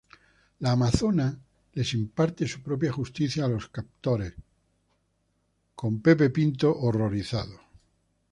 La Amazona les imparte su propia justicia a los captores, con Superman horrorizado.